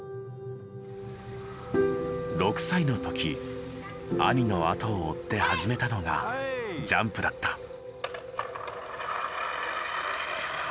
６歳の時兄のあとを追って始めたのがジャンプだった。